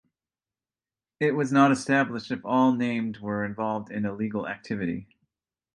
It was not established if all named were involved in illegal activity.